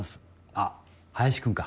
あっ林君か。